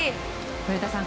古田さん